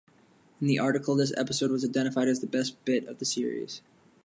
In the article, this episode was identified as the "best bit" of the series.